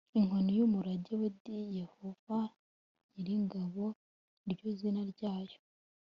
inkoni y umurage we d yehova nyir ingabo ni ryo zina ryayo